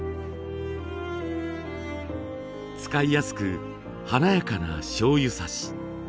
使いやすく華やかな醤油さし。